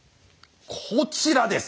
こちらです。